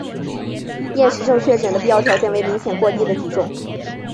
厌食症确诊的必要条件为明显过低的体重。